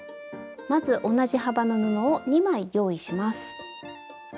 まず同じ幅の布を２枚用意します。